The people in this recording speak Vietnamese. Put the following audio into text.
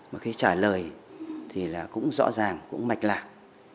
mà cái trả lời thì cũng rõ ràng cũng mạch lạc